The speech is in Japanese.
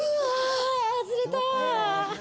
外れた。